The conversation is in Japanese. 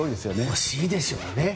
欲しいでしょうね。